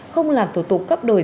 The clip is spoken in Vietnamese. không làm thủ tục cấp đổi